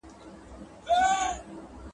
سل بللي يو نابللی سره يو نه دي. -